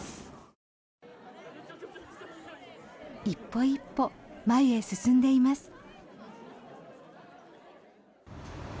一歩一歩、前へ進んでいます。